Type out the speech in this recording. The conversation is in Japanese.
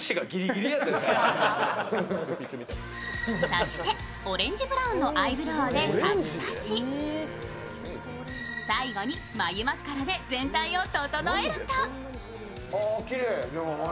そしてオレンジブラウンのアイブロウで書き足し最後に眉マスカラで全体を整えるときれい、眉。